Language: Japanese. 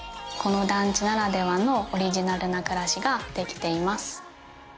この団地ならではのオリジナルな暮らしができています。